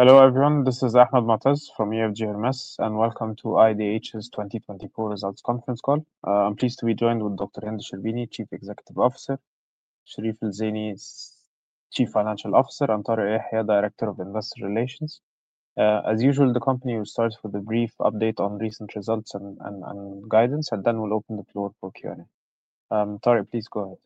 Hello everyone, this is Ahmed Moataz from EFG Hermes, and welcome to IDH's 2024 Results Conference call. I'm pleased to be joined with Dr. Hend El Sherbini, Chief Executive Officer, Sherif El Zeiny, Chief Financial Officer, and Tarek Yehia, Director of Investor Relations. As usual, the company will start with a brief update on recent results and guidance, and then we'll open the floor for Q&A. Tarek, please go ahead.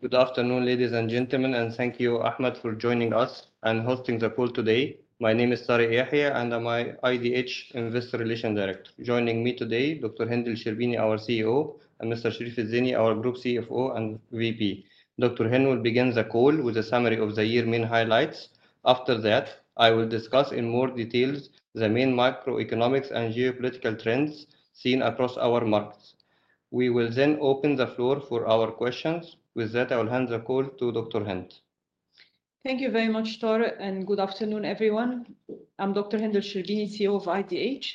Good afternoon, ladies and gentlemen, and thank you, Ahmed, for joining us and hosting the call today. My name is Tarek Yehia, and I'm the IDH Investor Relations Director. Joining me today, Dr. Hend El Sherbini, our CEO, and Mr. Sherif El Zeiny, our Group CFO and VP. Dr. Hend will begin the call with a summary of the year's main highlights. After that, I will discuss in more detail the main macroeconomic and geopolitical trends seen across our markets. We will then open the floor for our questions. With that, I will hand the call to Dr. Hend El Sherbini. Thank you very much, Tarek, and good afternoon, everyone. I'm Dr. Hend El Sherbini, CEO of IDH.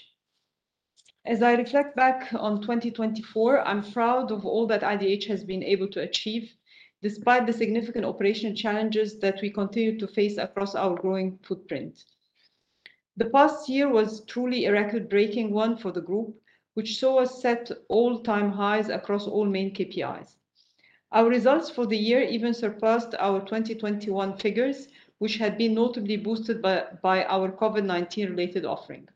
As I reflect back on 2024, I'm proud of all that IDH has been able to achieve, despite the significant operational challenges that we continue to face across our growing footprint. The past year was truly a record-breaking one for the group, which saw us set all-time highs across all main KPIs. Our results for the year even surpassed our 2021 figures, which had been notably boosted by our COVID-19-related offering.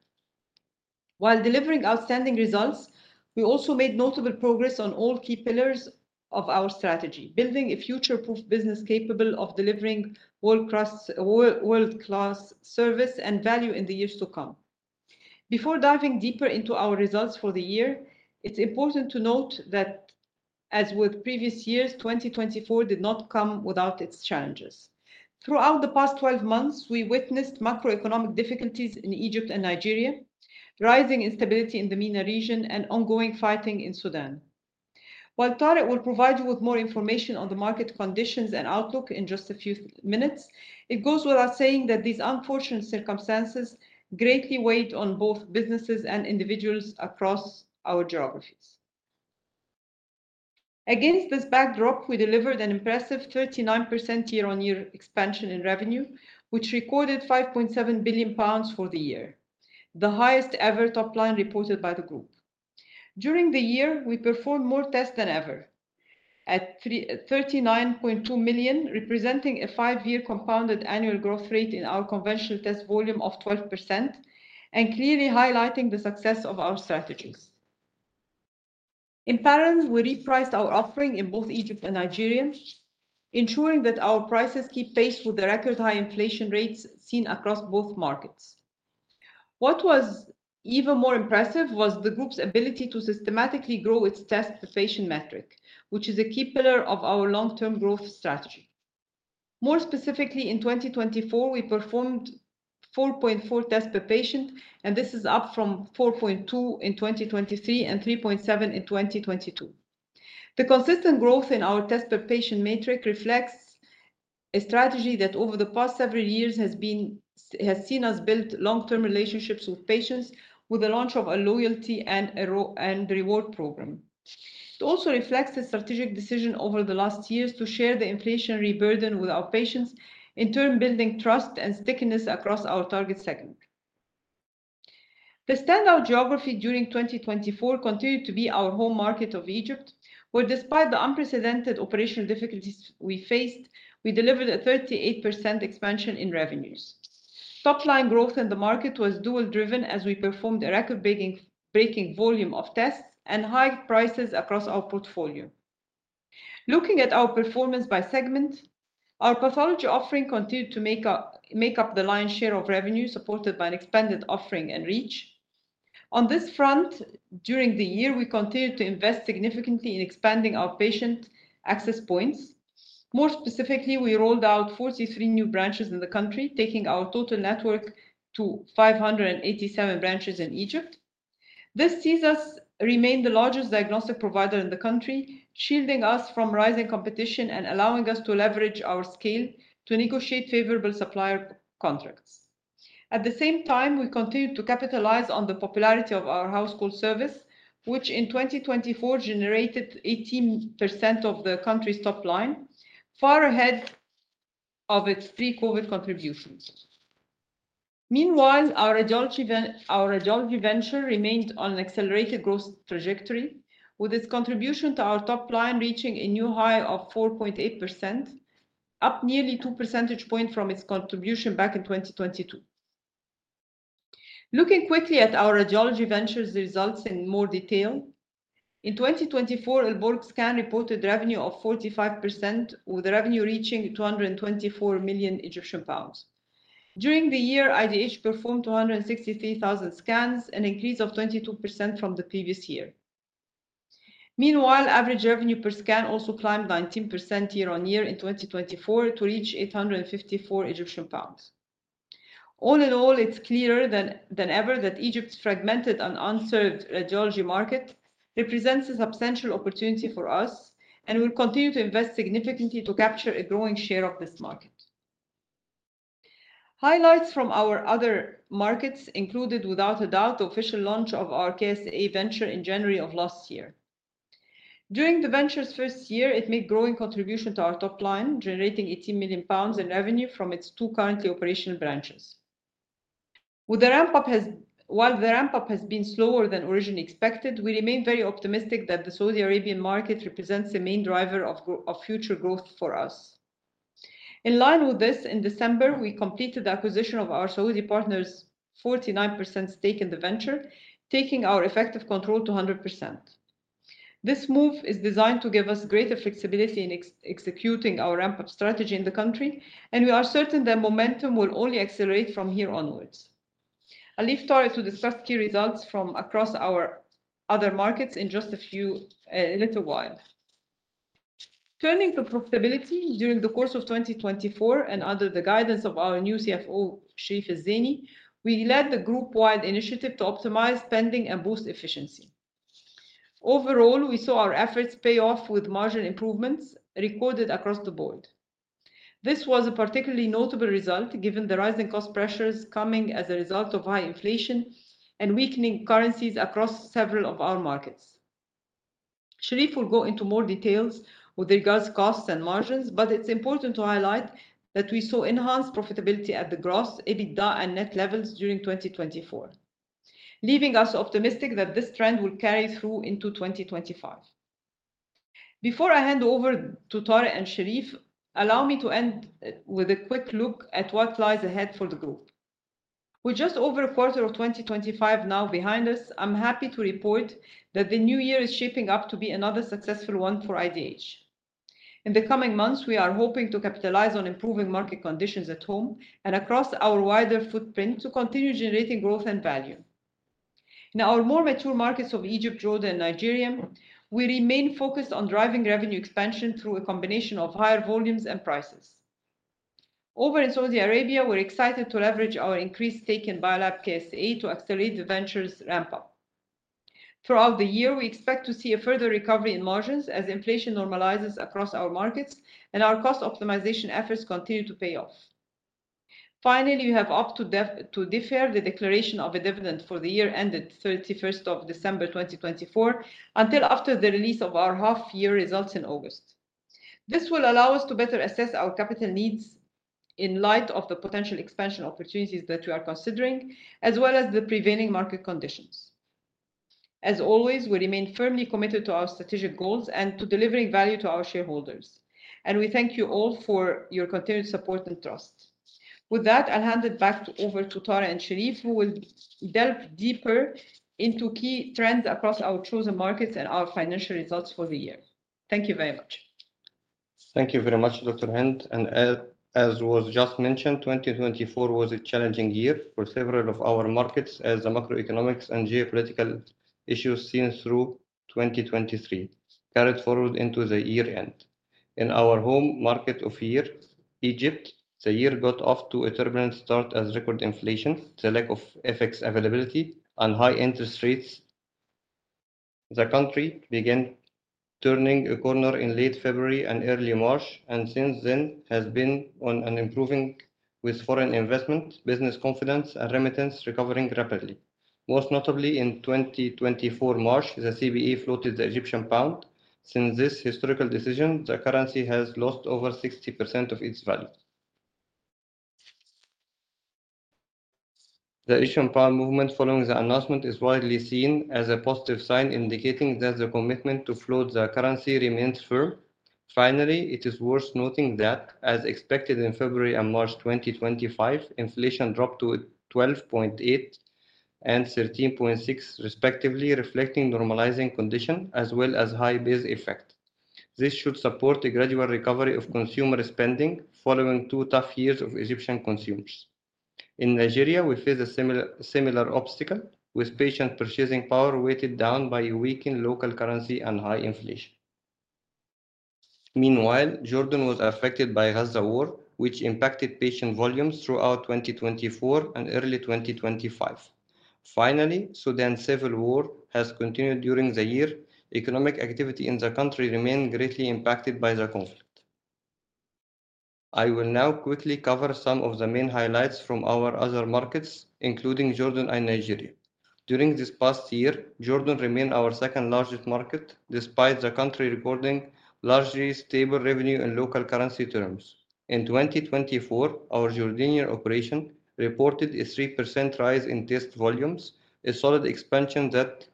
While delivering outstanding results, we also made notable progress on all key pillars of our strategy, building a future-proof business capable of delivering world-class service and value in the years to come. Before diving deeper into our results for the year, it's important to note that, as with previous years, 2024 did not come without its challenges. Throughout the past 12 months, we witnessed macroeconomic difficulties in Egypt and Nigeria, rising instability in the MENA region, and ongoing fighting in Sudan. While Tarek will provide you with more information on the market conditions and outlook in just a few minutes, it goes without saying that these unfortunate circumstances greatly weighed on both businesses and individuals across our geographies. Against this backdrop, we delivered an impressive 39% year-on-year expansion in revenue, which recorded 5.7 billion pounds for the year, the highest-ever top line reported by the group. During the year, we performed more tests than ever, at 39.2 million, representing a five-year compounded annual growth rate in our conventional test volume of 12%, and clearly highlighting the success of our strategies. In parallel, we repriced our offering in both Egypt and Nigeria, ensuring that our prices keep pace with the record-high inflation rates seen across both markets. What was even more impressive was the group's ability to systematically grow its test-per-patient metric, which is a key pillar of our long-term growth strategy. More specifically, in 2024, we performed 4.4 tests per patient, and this is up from 4.2 in 2023 and 3.7 in 2022. The consistent growth in our test-per-patient metric reflects a strategy that, over the past several years, has seen us build long-term relationships with patients with the launch of a loyalty and reward program. It also reflects the strategic decision over the last years to share the inflationary burden with our patients, in turn building trust and stickiness across our target segment. The standout geography during 2024 continued to be our home market of Egypt, where, despite the unprecedented operational difficulties we faced, we delivered a 38% expansion in revenues. Top-line growth in the market was dual-driven, as we performed a record-breaking volume of tests and high prices across our portfolio. Looking at our performance by segment, our pathology offering continued to make up the lion's share of revenue, supported by an expanded offering and reach. On this front, during the year, we continued to invest significantly in expanding our patient access points. More specifically, we rolled out 43 new branches in the country, taking our total network to 587 branches in Egypt. This sees us remain the largest diagnostic provider in the country, shielding us from rising competition and allowing us to leverage our scale to negotiate favorable supplier contracts. At the same time, we continue to capitalize on the popularity of our household service, which in 2024 generated 18% of the country's top line, far ahead of its pre-COVID contributions. Meanwhile, our Radiology Venture remained on an accelerated growth trajectory, with its contribution to our top line reaching a new high of 4.8%, up nearly 2 percentage points from its contribution back in 2022. Looking quickly at our Radiology Venture's results in more detail, in 2024, Al Borg Scan reported revenue of 45%, with revenue reaching 224 million Egyptian pounds. During the year, IDH performed 263,000 scans, an increase of 22% from the previous year. Meanwhile, average revenue per scan also climbed 19% year-on-year in 2024 to reach 854 Egyptian pounds. All in all, it's clearer than ever that Egypt's fragmented and unserved radiology market represents a substantial opportunity for us, and we'll continue to invest significantly to capture a growing share of this market. Highlights from our other markets included, without a doubt, the official launch of our KSA Venture in January of last year. During the venture's first year, it made growing contributions to our top line, generating SAR 18 million in revenue from its two currently operational branches. While the ramp-up has been slower than originally expected, we remain very optimistic that the Saudi Arabian market represents a main driver of future growth for us. In line with this, in December, we completed the acquisition of our Saudi partner's 49% stake in the venture, taking our effective control to 100%. This move is designed to give us greater flexibility in executing our ramp-up strategy in the country, and we are certain that momentum will only accelerate from here onwards. I'll leave Tarek to discuss key results from across our other markets in just a little while. Turning to profitability, during the course of 2024, and under the guidance of our new CFO, Sherif El Zeiny, we led the group-wide initiative to optimize spending and boost efficiency. Overall, we saw our efforts pay off with margin improvements recorded across the board. This was a particularly notable result, given the rising cost pressures coming as a result of high inflation and weakening currencies across several of our markets. Sherif will go into more details with regards to costs and margins, but it's important to highlight that we saw enhanced profitability at the gross, EBITDA, and net levels during 2024, leaving us optimistic that this trend will carry through into 2025. Before I hand over to Tarek and Sherif, allow me to end with a quick look at what lies ahead for the group. With just over a quarter of 2025 now behind us, I'm happy to report that the new year is shaping up to be another successful one for IDH. In the coming months, we are hoping to capitalize on improving market conditions at home and across our wider footprint to continue generating growth and value. In our more mature markets of Egypt, Jordan, and Nigeria, we remain focused on driving revenue expansion through a combination of higher volumes and prices. Over in Saudi Arabia, we're excited to leverage our increased stake in Biolab KSA to accelerate the venture's ramp-up. Throughout the year, we expect to see a further recovery in margins as inflation normalizes across our markets and our cost optimization efforts continue to pay off. Finally, we have to defer the declaration of a dividend for the year ended 31 December 2024 until after the release of our half-year results in August. This will allow us to better assess our capital needs in light of the potential expansion opportunities that we are considering, as well as the prevailing market conditions. As always, we remain firmly committed to our strategic goals and to delivering value to our shareholders, and we thank you all for your continued support and trust. With that, I'll hand it back over to Tarek and Sherif, who will delve deeper into key trends across our chosen markets and our financial results for the year. Thank you very much. Thank you very much, Dr. Hend, and as was just mentioned, 2024 was a challenging year for several of our markets, as the macroeconomic and geopolitical issues seen through 2023 carried forward into the year-end. In our home market of Egypt, the year got off to a turbulent start as record inflation, the lack of FX availability, and high interest rates. The country began turning a corner in late February and early March, and since then has been on an improving path with foreign investment, business confidence, and remittance recovering rapidly. Most notably, in March 2024, the CBE floated the Egyptian pound. Since this historical decision, the currency has lost over 60% of its value. The Egyptian pound movement following the announcement is widely seen as a positive sign, indicating that the commitment to float the currency remains firm. Finally, it is worth noting that, as expected in February and March 2025, inflation dropped to 12.8 and 13.6, respectively, reflecting normalizing conditions as well as high base effect. This should support a gradual recovery of consumer spending following two tough years of Egyptian consumers. In Nigeria, we face a similar obstacle, with patient purchasing power weighted down by weakened local currency and high inflation. Meanwhile, Jordan was affected by the Gaza War, which impacted patient volumes throughout 2024 and early 2025. Finally, the Sudan civil war has continued during the year. Economic activity in the country remained greatly impacted by the conflict. I will now quickly cover some of the main highlights from our other markets, including Jordan and Nigeria. During this past year, Jordan remained our second-largest market, despite the country reporting largely stable revenue in local currency terms. In 2024, our Jordanian operation reported a 3% rise in test volumes, a solid expansion that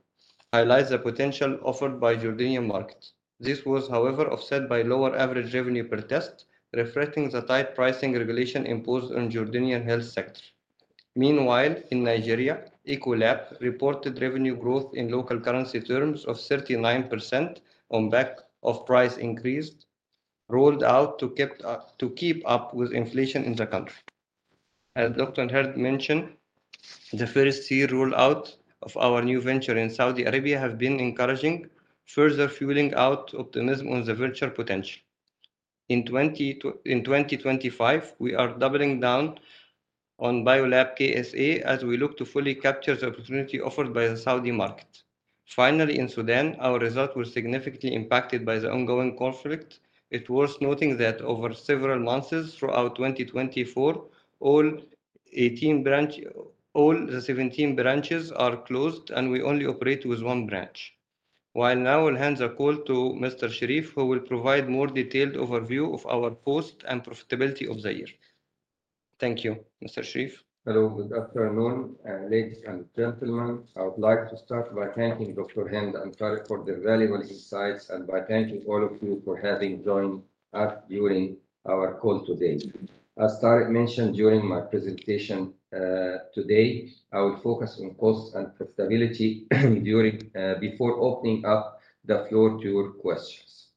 highlights the potential offered by the Jordanian market. This was, however, offset by lower average revenue per test, reflecting the tight pricing regulation imposed on the Jordanian health sector. Meanwhile, in Nigeria, Echo-Lab reported revenue growth in local currency terms of 39% on behalf of price increase, rolled out to keep up with inflation in the country. As Dr. Hend mentioned, the first-year rollout of our new venture in Saudi Arabia has been encouraging, further fueling our optimism on the future potential. In 2025, we are doubling down on Biolab KSA as we look to fully capture the opportunity offered by the Saudi market. Finally, in Sudan, our result was significantly impacted by the ongoing conflict. It's worth noting that over several months throughout 2024, all 17 branches are closed, and we only operate with one branch. I'll now hand the call to Mr. Sherif, who will provide a more detailed overview of our post and profitability of the year. Thank you, Mr. Sherif. Hello, good afternoon, ladies and gentlemen. I would like to start by thanking Dr. Hend and Tarek for their valuable insights and by thanking all of you for having joined us during our call today. As Tarek mentioned during my presentation today, I will focus on cost and profitability before opening up the floor to your questions.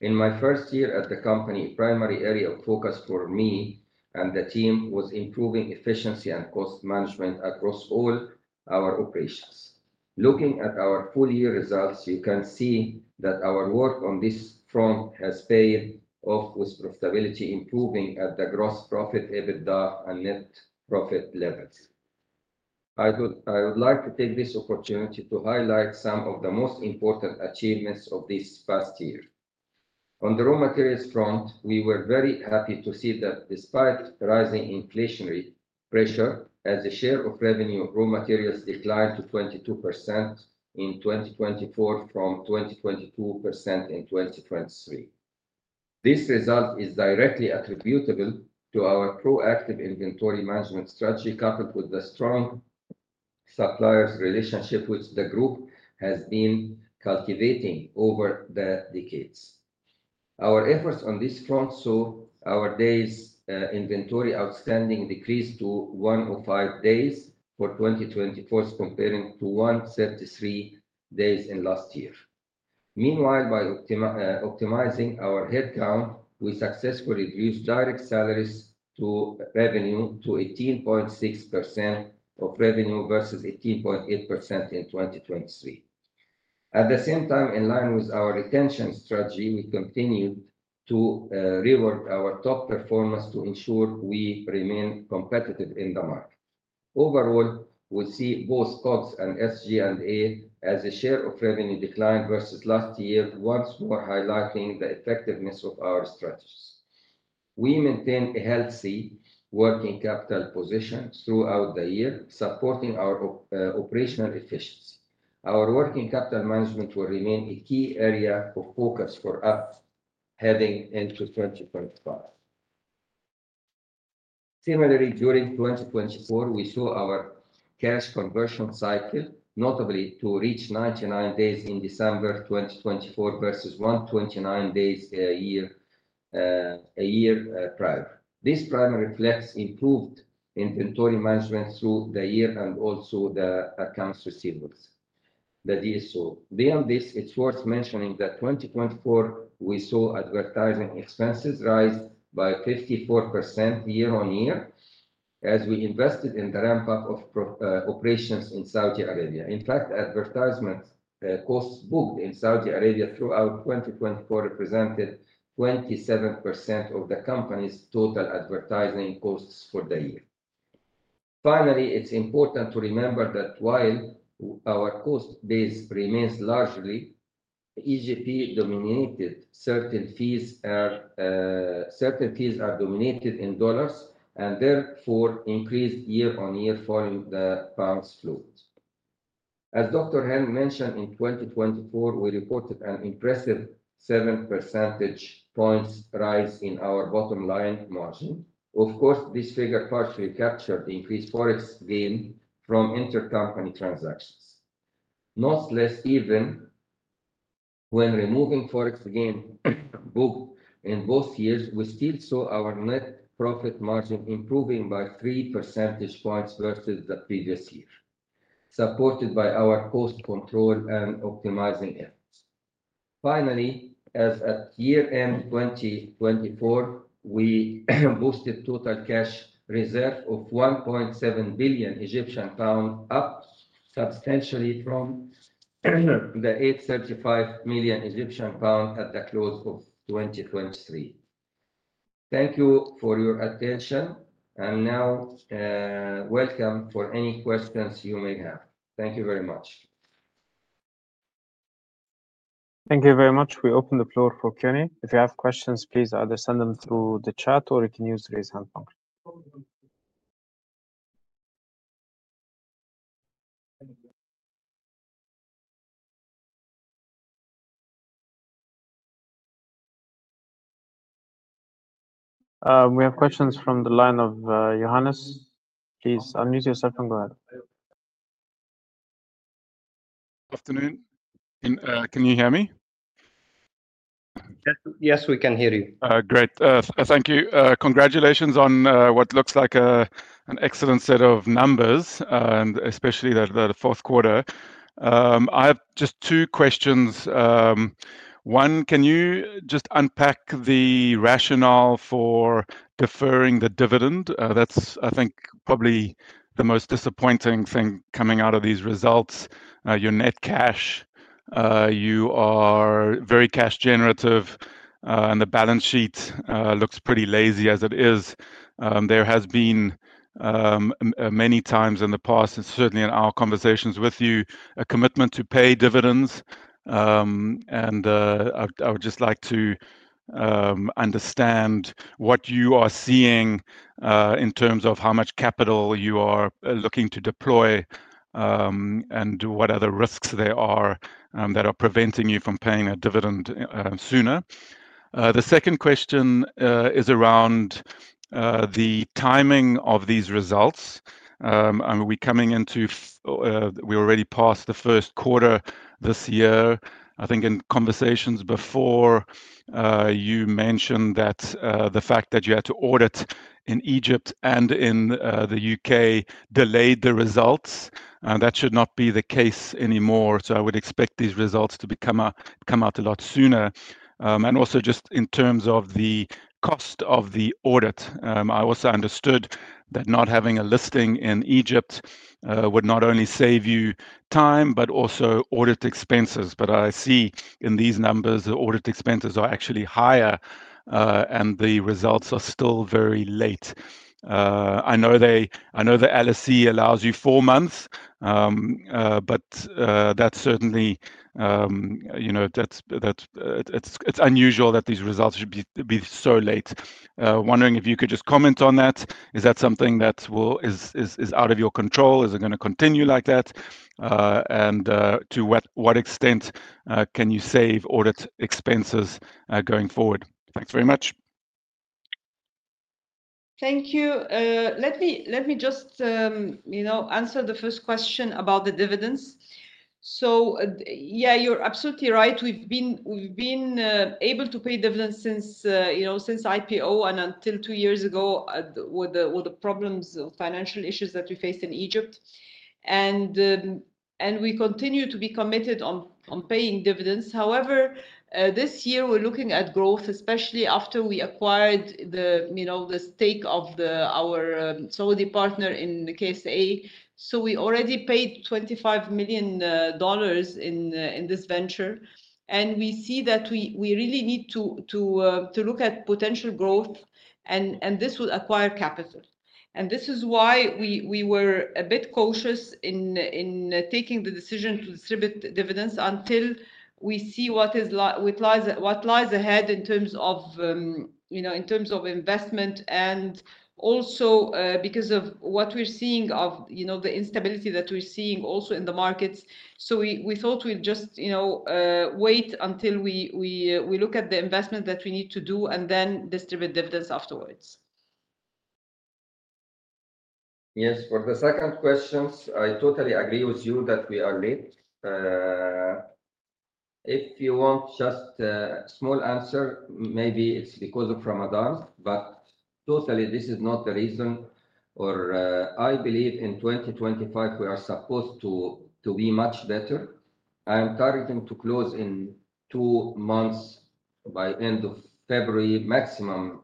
In my first year at the company, a primary area of focus for me and the team was improving efficiency and cost management across all our operations. Looking at our full-year results, you can see that our work on this front has paid off with profitability improving at the gross profit, EBITDA, and net profit levels. I would like to take this opportunity to highlight some of the most important achievements of this past year. On the raw materials front, we were very happy to see that despite rising inflationary pressure, as the share of revenue of raw materials declined to 22% in 2024 from 22% in 2023. This result is directly attributable to our proactive inventory management strategy, coupled with the strong supplier relationship which the group has been cultivating over the decades. Our efforts on this front saw our days inventory outstanding decrease to 105 days for 2024, comparing to 133 days in last year. Meanwhile, by optimizing our headcount, we successfully reduced direct salaries to revenue to 18.6% of revenue versus 18.8% in 2023. At the same time, in line with our retention strategy, we continued to rework our top performance to ensure we remain competitive in the market. Overall, we see both COGS and SG&A as the share of revenue declined versus last year, once more highlighting the effectiveness of our strategies. We maintained a healthy working capital position throughout the year, supporting our operational efficiency. Our working capital management will remain a key area of focus for us heading into 2025. Similarly, during 2024, we saw our cash conversion cycle notably reach 99 days in December 2024 versus 129 days a year prior. This primarily reflects improved inventory management through the year and also the accounts receivables that you saw. Beyond this, it's worth mentioning that in 2024, we saw advertising expenses rise by 54% year-on-year as we invested in the ramp-up of operations in Saudi Arabia. In fact, advertisement costs booked in Saudi Arabia throughout 2024 represented 27% of the company's total advertising costs for the year. Finally, it's important to remember that while our cost base remains largely EGP-dominated, certain fees are denominated in dollars and therefore increased year-on-year following the pound's float. As Dr. Hend El Sherbini mentioned, in 2024, we reported an impressive 7 percentage points rise in our bottom line margin. Of course, this figure partially captured the increased forex gain from intercompany transactions. Not less, even when removing forex gain booked in both years, we still saw our net profit margin improving by 3 percentage points versus the previous year, supported by our cost control and optimizing efforts. Finally, as at year-end 2024, we boosted total cash reserve of 1.7 billion Egyptian pounds, up substantially from the 835 million Egyptian pounds at the close of 2023. Thank you for your attention, and now welcome for any questions you may have. Thank you very much. Thank you very much. We open the floor for Q&A. If you have questions, please either send them through the chat or you can use the raise hand function. We have questions from the line of Johannes. Please unmute yourself and go ahead. Good afternoon. Can you hear me? Yes, we can hear you. Great. Thank you. Congratulations on what looks like an excellent set of numbers, and especially the fourth quarter. I have just two questions. One, can you just unpack the rationale for deferring the dividend? That's, I think, probably the most disappointing thing coming out of these results. Your net cash, you are very cash generative, and the balance sheet looks pretty lazy as it is. There have been many times in the past, and certainly in our conversations with you, a commitment to pay dividends. I would just like to understand what you are seeing in terms of how much capital you are looking to deploy and what other risks there are that are preventing you from paying a dividend sooner. The second question is around the timing of these results. Are we coming into—we already passed the first quarter this year. I think in conversations before, you mentioned that the fact that you had to audit in Egypt and in the U.K. delayed the results. That should not be the case anymore. I would expect these results to come out a lot sooner. Also, just in terms of the cost of the audit, I also understood that not having a listing in Egypt would not only save you time but also audit expenses. I see in these numbers, the audit expenses are actually higher, and the results are still very late. I know the LSE allows you four months, but that is certainly unusual that these results should be so late. Wondering if you could just comment on that. Is that something that is out of your control? Is it going to continue like that? To what extent can you save audit expenses going forward? Thanks very much. Thank you. Let me just answer the first question about the dividends. Yeah, you're absolutely right. We've been able to pay dividends since IPO and until two years ago with the problems of financial issues that we faced in Egypt. We continue to be committed on paying dividends. However, this year, we're looking at growth, especially after we acquired the stake of our Saudi partner in the KSA. We already paid $25 million in this venture. We see that we really need to look at potential growth, and this will require capital. This is why we were a bit cautious in taking the decision to distribute dividends until we see what lies ahead in terms of investment and also because of what we're seeing of the instability that we're seeing also in the markets. We thought we'd just wait until we look at the investment that we need to do and then distribute dividends afterwards. Yes. For the second question, I totally agree with you that we are late. If you want just a small answer, maybe it's because of Ramadan, but totally, this is not the reason. I believe in 2025, we are supposed to be much better. I'm targeting to close in two months by the end of February, maximum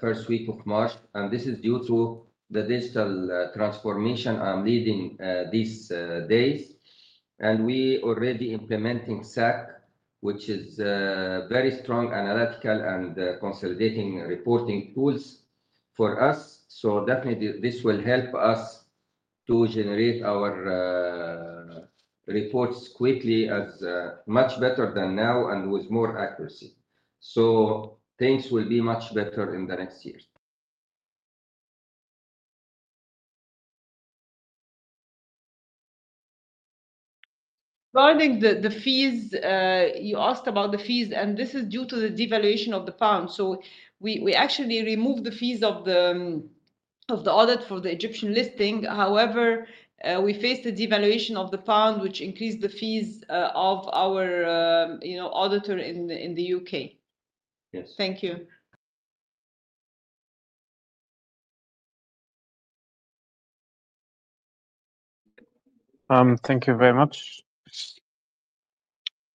first week of March. This is due to the digital transformation I'm leading these days. We are already implementing SAC, which is a very strong analytical and consolidating reporting tools for us. Definitely, this will help us to generate our reports quickly, much better than now, and with more accuracy. Things will be much better in the next year. Regarding the fees, you asked about the fees, and this is due to the devaluation of the pound. We actually removed the fees of the audit for the Egyptian listing. However, we faced a devaluation of the pound, which increased the fees of our auditor in the U.K. Yes. Thank you. Thank you very much.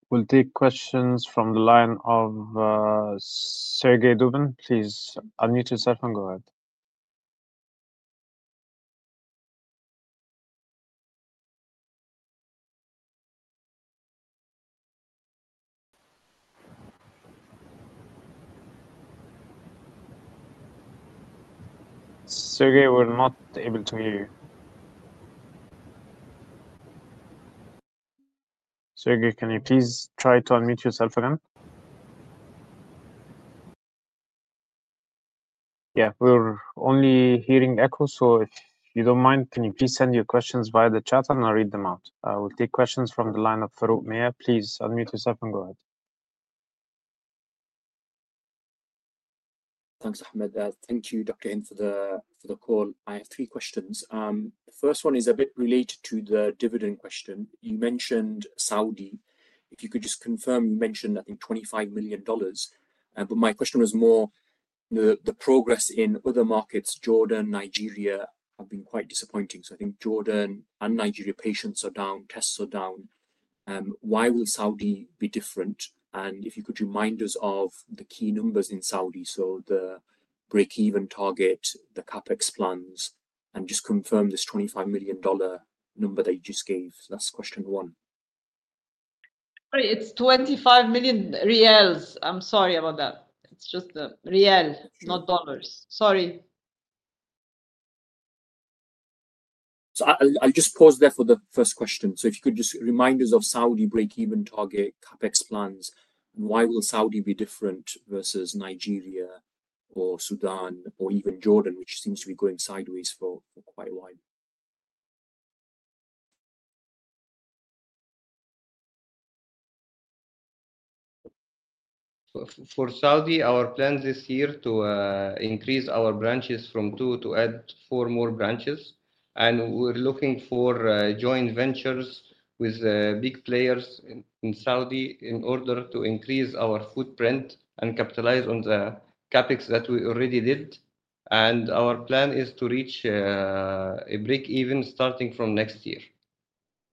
We'll take questions from the line of Sergey Demin. Please unmute yourself and go ahead. Sergey, we're not able to hear you. Sergey, can you please try to unmute yourself again? Yeah, we're only hearing echoes. If you don't mind, can you please send your questions via the chat, and I'll read them out. I will take questions from the line of Farouk Miah. Please unmute yourself and go ahead. Thanks, Ahmed. Thank you, Dr. Hend, for the call. I have three questions. The first one is a bit related to the dividend question. You mentioned Saudi. If you could just confirm, you mentioned, I think, $25 million. My question was more the progress in other markets. Jordan, Nigeria have been quite disappointing. I think Jordan and Nigeria patients are down, tests are down. Why will Saudi be different? If you could remind us of the key numbers in Saudi, the break-even target, the CapEx plans, and just confirm this $25 million number that you just gave. That is question one. It's SAR 25 million. I'm sorry about that. It's just the riyal, not dollars. Sorry. I'll just pause there for the first question. If you could just remind us of Saudi break-even target, CapEx plans, and why will Saudi be different versus Nigeria or Sudan or even Jordan, which seems to be going sideways for quite a while. For Saudi, our plan this year is to increase our branches from two to add four more branches. We are looking for joint ventures with big players in Saudi in order to increase our footprint and capitalize on the CapEx that we already did. Our plan is to reach a break-even starting from next year.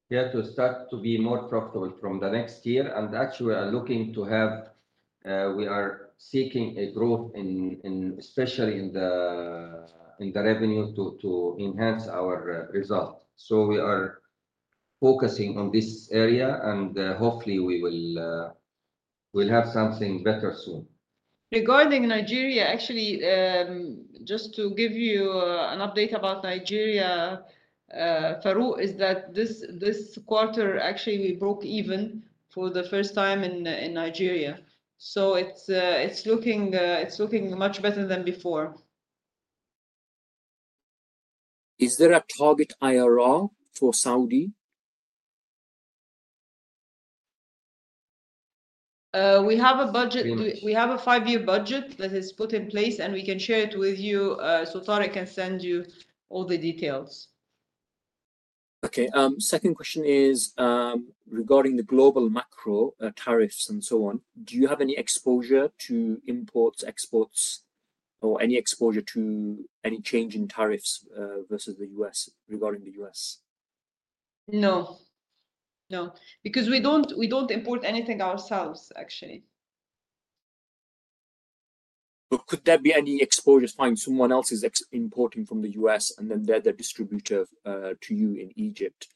Yeah, to start to be more profitable from the next year. Actually, we are looking to have—we are seeking a growth, especially in the revenue, to enhance our result. We are focusing on this area, and hopefully, we will have something better soon. Regarding Nigeria, actually, just to give you an update about Nigeria, Farouk, is that this quarter, actually, we broke even for the first time in Nigeria. It is looking much better than before. Is there a target IRR for Saudi? We have a budget. We have a five-year budget that is put in place, and we can share it with you. Tarek can send you all the details. Okay. Second question is regarding the global macro tariffs and so on. Do you have any exposure to imports, exports, or any exposure to any change in tariffs versus the U.S. regarding the U.S.? No. No. Because we don't import anything ourselves, actually. Could there be any exposure? Fine, someone else is importing from the U.S., and then they're the distributor to you in Egypt.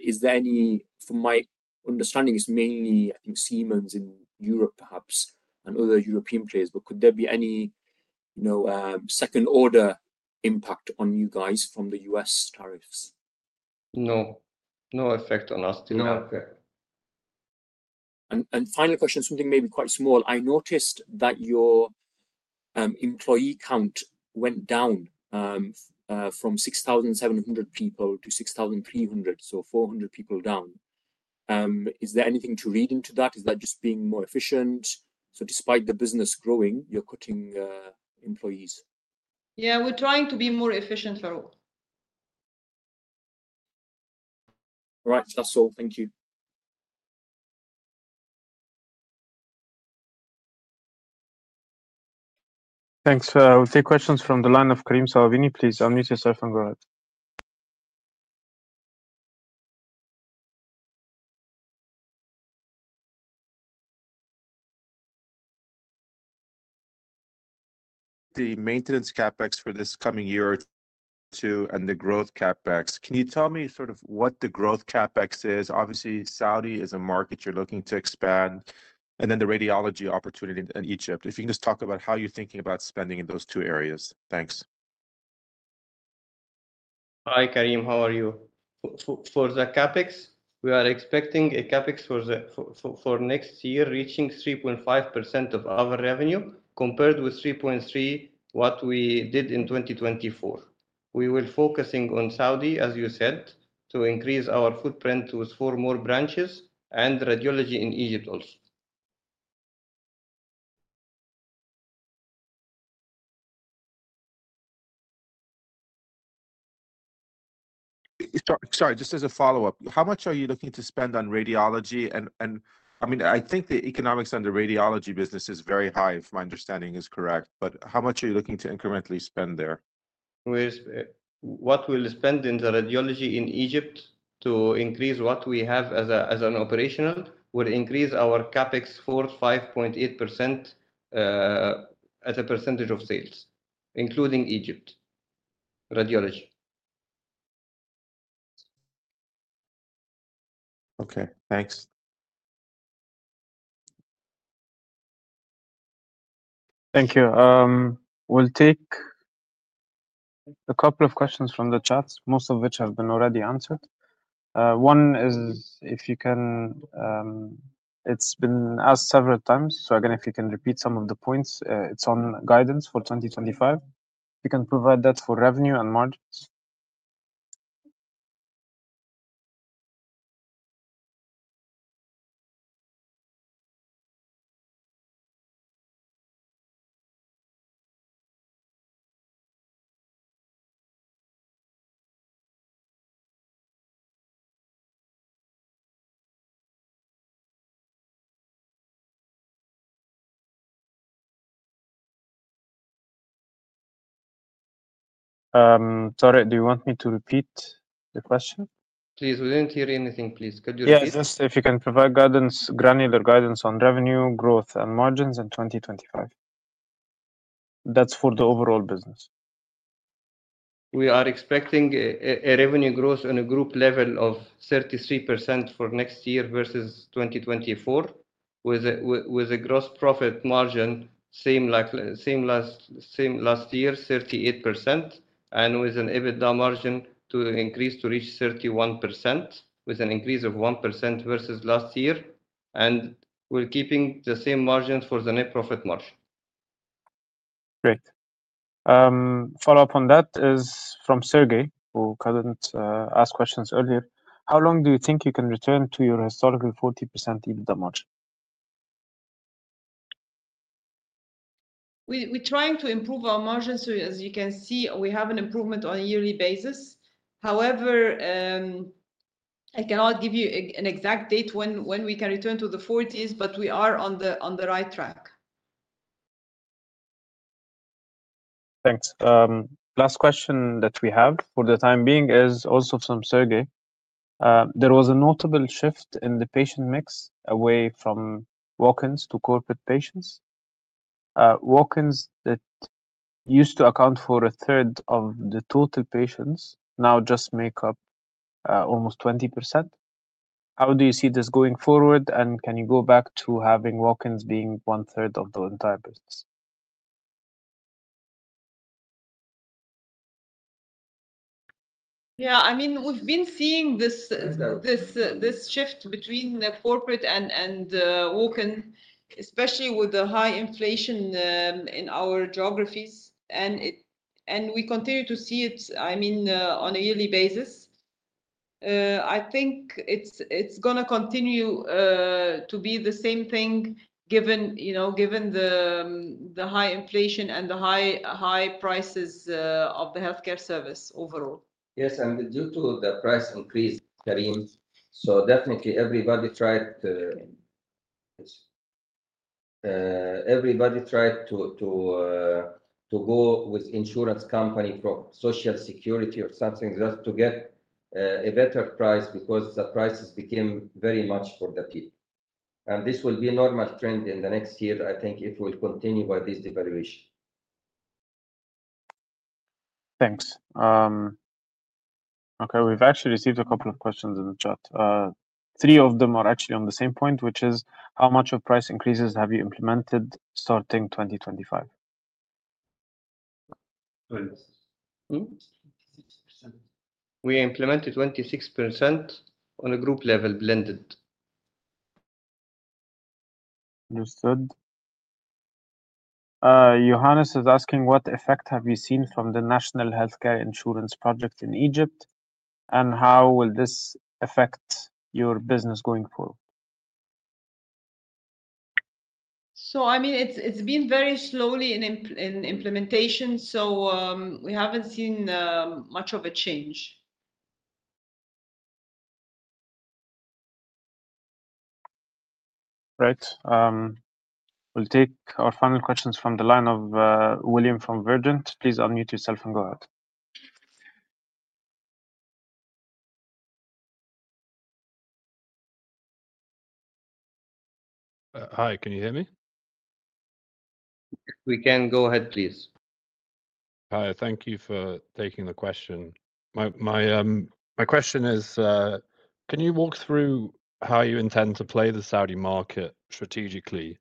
Is there any—from my understanding, it's mainly, I think, Siemens in Europe, perhaps, and other European players. Could there be any second-order impact on you guys from the U.S. tariffs? No. No effect on us. No. Final question, something maybe quite small. I noticed that your employee count went down from 6,700 people to 6,300, so 400 people down. Is there anything to read into that? Is that just being more efficient? Despite the business growing, you're cutting employees. Yeah, we're trying to be more efficient, Faruk. All right. That's all. Thank you. Thanks. We'll take questions from the line of Karim Sawabini. Please unmute yourself and go ahead. The maintenance CapEx for this coming year or two and the growth CapEx, can you tell me sort of what the growth CapEx is? Obviously, Saudi is a market you're looking to expand, and then the radiology opportunity in Egypt. If you can just talk about how you're thinking about spending in those two areas. Thanks. Hi, Karim. How are you? For the CapEx, we are expecting a CapEx for next year reaching 3.5% of our revenue compared with 3.3% what we did in 2024. We will be focusing on Saudi, as you said, to increase our footprint with four more branches and radiology in Egypt also. Sorry, just as a follow-up, how much are you looking to spend on radiology? I mean, I think the economics on the radiology business is very high if my understanding is correct. How much are you looking to incrementally spend there? What we'll spend in the radiology in Egypt to increase what we have as an operational, we'll increase our CapEx for 5.8% as a percentage of sales, including Egypt radiology. Okay. Thanks. Thank you. We'll take a couple of questions from the chats, most of which have been already answered. One is, if you can—it's been asked several times. If you can repeat some of the points, it's on guidance for 2025. If you can provide that for revenue and margins. Tarek, do you want me to repeat the question? Please, we didn't hear anything. Please, could you repeat? Yeah, just if you can provide granular guidance on revenue, growth, and margins in 2025. That's for the overall business. We are expecting a revenue growth on a group level of 33% for next year versus 2024, with a gross profit margin same last year, 38%, and with an EBITDA margin to increase to reach 31% with an increase of 1% versus last year. We are keeping the same margins for the net profit margin. Great. Follow-up on that is from Sergey, who couldn't ask questions earlier. How long do you think you can return to your historical 40% EBITDA margin? We're trying to improve our margins. As you can see, we have an improvement on a yearly basis. However, I cannot give you an exact date when we can return to the 40s, but we are on the right track. Thanks. Last question that we have for the time being is also from Sergey. There was a notable shift in the patient mix away from walk-ins to corporate patients. Walk-ins that used to account for a third of the total patients now just make up almost 20%. How do you see this going forward? Can you go back to having walk-ins being one-third of the entire business? Yeah. I mean, we've been seeing this shift between the corporate and walk-in, especially with the high inflation in our geographies. I mean, we continue to see it on a yearly basis. I think it's going to continue to be the same thing given the high inflation and the high prices of the healthcare service overall. Yes. Due to the price increase, Karim, everybody tried to go with insurance company for social security or something just to get a better price because the prices became very much for the people. This will be a normal trend in the next year. I think it will continue by this devaluation. Thanks. Okay. We've actually received a couple of questions in the chat. Three of them are actually on the same point, which is, how much of price increases have you implemented starting 2025? We implemented 26% on a group level blended. Understood. Johannes is asking, what effect have you seen from the national healthcare insurance project in Egypt? How will this affect your business going forward? I mean, it's been very slowly in implementation. So we haven't seen much of a change. Right. We'll take our final questions from the line of William from Vergent. Please unmute yourself and go ahead. Hi. Can you hear me? We can go ahead, please. Hi. Thank you for taking the question. My question is, can you walk through how you intend to play the Saudi market strategically?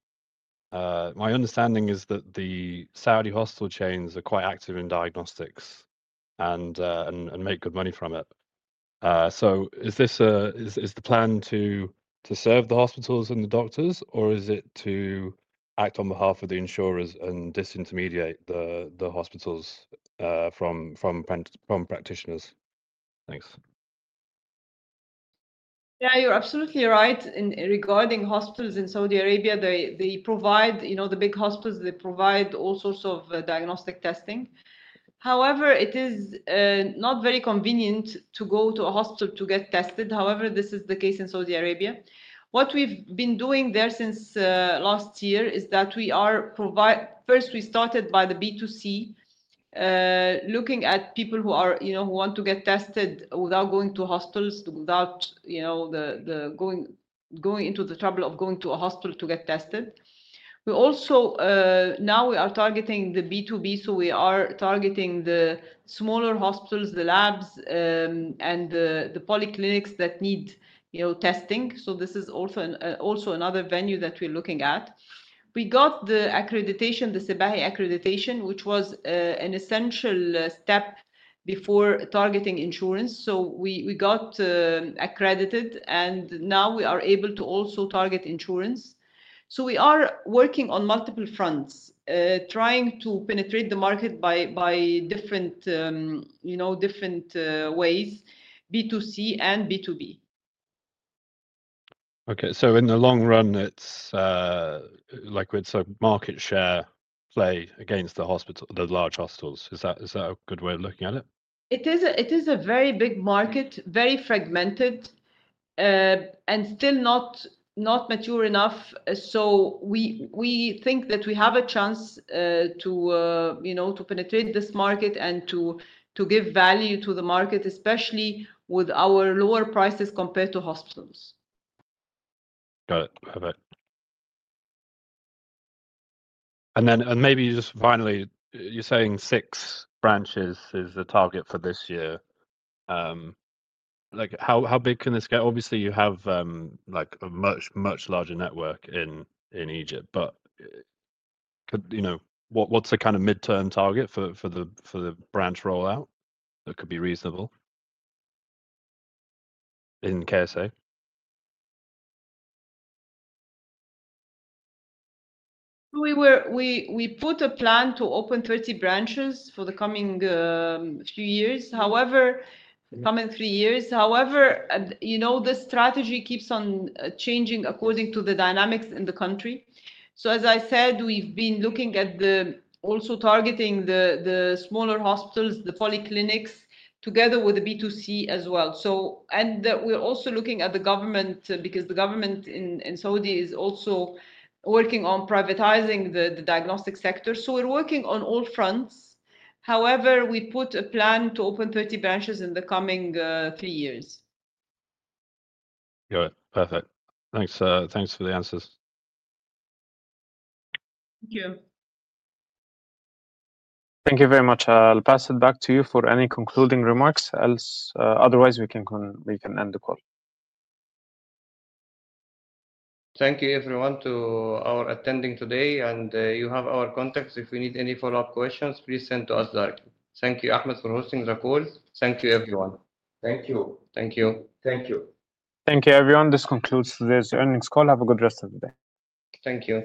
My understanding is that the Saudi hospital chains are quite active in diagnostics and make good money from it. Is the plan to serve the hospitals and the doctors, or is it to act on behalf of the insurers and disintermediate the hospitals from practitioners? Thanks. Yeah, you're absolutely right. Regarding hospitals in Saudi Arabia, the big hospitals, they provide all sorts of diagnostic testing. However, it is not very convenient to go to a hospital to get tested. However, this is the case in Saudi Arabia. What we've been doing there since last year is that we are—first, we started by the B2C, looking at people who want to get tested without going to hospitals, without going into the trouble of going to a hospital to get tested. Now we are targeting the B2B, so we are targeting the smaller hospitals, the labs, and the polyclinics that need testing. This is also another venue that we're looking at. We got the accreditation, the CBAHI accreditation, which was an essential step before targeting insurance. We got accredited, and now we are able to also target insurance. We are working on multiple fronts, trying to penetrate the market by different ways, B2C and B2B. Okay. In the long run, it's like we'd say market share play against the large hospitals. Is that a good way of looking at it? It is a very big market, very fragmented, and still not mature enough. We think that we have a chance to penetrate this market and to give value to the market, especially with our lower prices compared to hospitals. Got it. Perfect. Maybe just finally, you're saying six branches is the target for this year. How big can this get? Obviously, you have a much, much larger network in Egypt. What is the kind of midterm target for the branch rollout that could be reasonable in KSA? We put a plan to open 30 branches for the coming few years, however, the coming three years. However, the strategy keeps on changing according to the dynamics in the country. As I said, we've been looking at also targeting the smaller hospitals, the polyclinics, together with the B2C as well. We are also looking at the government because the government in Saudi is also working on privatizing the diagnostic sector. We are working on all fronts. However, we put a plan to open 30 branches in the coming three years. Got it. Perfect. Thanks for the answers. Thank you. Thank you very much. I'll pass it back to you for any concluding remarks. Otherwise, we can end the call. Thank you, everyone, for attending today. You have our contacts. If you need any follow-up questions, please send to us directly. Thank you, Ahmed, for hosting the call. Thank you, everyone. Thank you. Thank you. Thank you. Thank you, everyone. This concludes today's earnings call. Have a good rest of the day. Thank you.